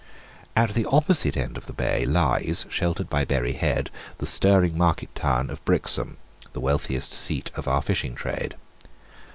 At the opposite end of the bay lies, sheltered by Berry head, the stirring market town of Brixham, the wealthiest seat of our fishing trade.